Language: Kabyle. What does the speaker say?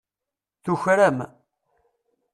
Tuker-am.